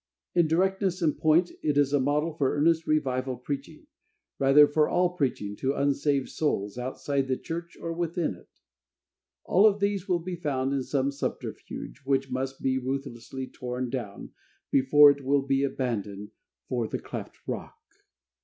In directness and point, it is a model for earnest revival preaching, rather, for all preaching to unsaved souls, outside the church, or within it. All of these will be found in some subterfuge, which must be ruthlessly torn down, before it will be abandoned for the cleft Rock.